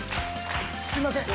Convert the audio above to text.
すいません。